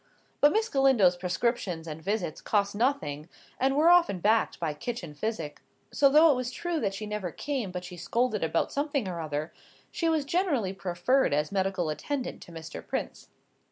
But Miss Galindo's prescriptions and visits cost nothing and were often backed by kitchen physic; so, though it was true that she never came but she scolded about something or other, she was generally preferred as medical attendant to Mr. Prince.